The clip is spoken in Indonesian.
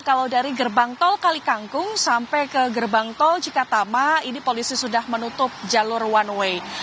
kalau dari gerbang tol kalikangkung sampai ke gerbang tol cikatama ini polisi sudah menutup jalur one way